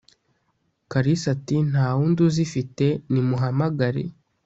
kalisa ati"ntawundi uzifite ni muhamagare